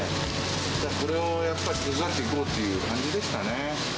それをやっぱり手伝っていこうっていう感じでしたね。